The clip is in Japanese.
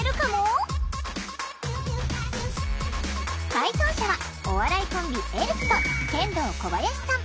解答者はお笑いコンビエルフとケンドーコバヤシさん。